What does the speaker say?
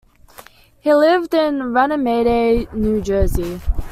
He lived in Runnemede, New Jersey.